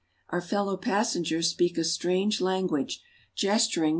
Our fellow passengers speak a strange language, gesturing ■33 ML , a.